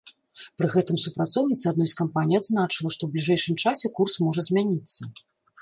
Пры гэтым супрацоўніца адной з кампаній адзначыла, што ў бліжэйшым часе курс можа змяніцца.